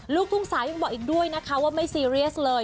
ลูกทุ่งสาวยังบอกอีกด้วยนะคะว่าไม่ซีเรียสเลย